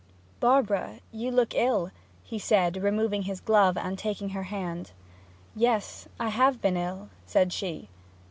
'Barbara you look ill,' he said, removing his glove, and taking her hand. 'Yes I have been ill,' said she.